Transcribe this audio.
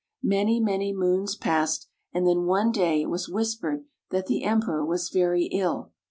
Many, many moons passed, and then one day it was whispered that the Emperor was very ill.